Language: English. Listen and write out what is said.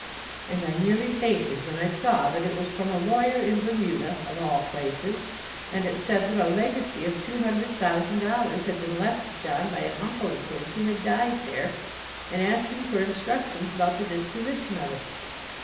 And I nearly fainted when I saw that it was from a lawyer in Bermuda of all places and it said that a legacy of two hundred thousand dollars had been left to John by an uncle of his who had died there, and asking for instructions about the disposition of it.